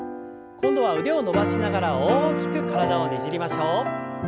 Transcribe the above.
今度は腕を伸ばしながら大きく体をねじりましょう。